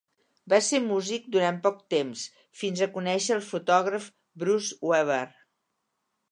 Va ser músic durant poc temps, fins a conèixer el fotògraf Bruce Weber.